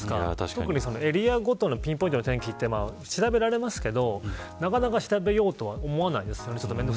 特にエリアごとのピンポイントの天気って調べられますけどなかなか調べようとは思わないですよね。